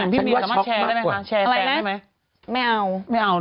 พี่อวยดีสามารถแชร์แปลกได้ไหม